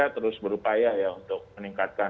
ya kita terus berupaya ya untuk meningkatkan